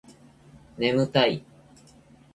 ねむたい